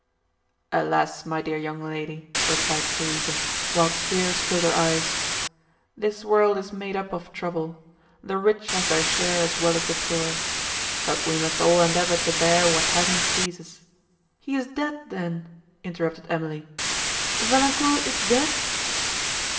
"Alas! my dear young lady," replied Theresa, while tears filled her eyes, "this world is made up of trouble! the rich have their share as well as the poor! But we must all endeavour to bear what Heaven pleases." "He is dead, then!"—interrupted Emily—"Valancourt is dead!"